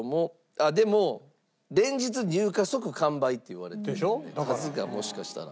あっでも連日入荷即完売っていわれてるので数がもしかしたら。